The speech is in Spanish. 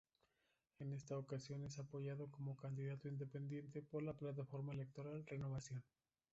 En esta ocasión es apoyado como candidato independiente, por la plataforma electoral "Renovación".